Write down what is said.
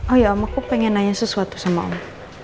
oh iya om aku pengen nanya sesuatu sama om